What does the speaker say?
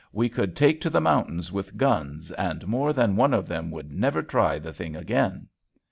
We could take to the mountains with guns, and more than one of them would never try the thing again."